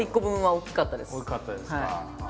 大きかったですか。